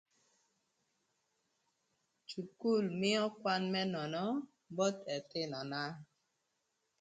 Cukul mïö kwan më nono both ëthïnöna.